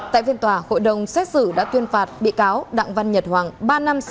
tại viên tòa hội đồng xét xử đã tuyên phạt bị cáo đặng văn nhật hoàng ba năm sáu tháng tù